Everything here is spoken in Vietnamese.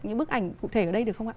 những bức ảnh cụ thể ở đây được không ạ